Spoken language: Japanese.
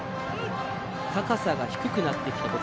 高さが低くなってきたこと